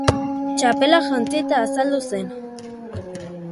Txapela jantzita azaldu zen.